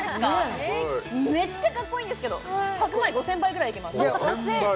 ねえめっちゃかっこいいんですけど白米５０００杯ぐらいいけます５０００杯？